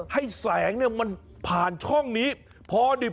ให้แสงมันผ่านช่องนี้พอดี